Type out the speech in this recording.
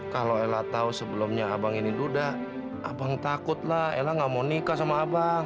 kalau ella tahu sebelumnya abang ini ludah abang takut lah ella nggak mau nikah sama abang